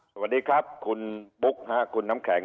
สวัสดีครับคุณบุ๊คคุณน้ำแข็ง